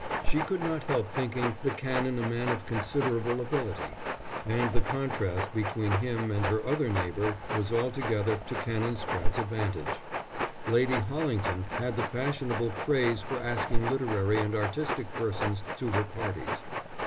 She could not help thinking the Canon a man of considerable ability. And the contrast between him and her other neighbour was altogether to Canon Spratte's advantage. Lady Hollington had the fashionable craze for asking literary and artistic persons to her parties.